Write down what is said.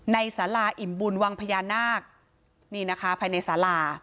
สาราอิ่มบุญวังพญานาคนี่นะคะภายในสารา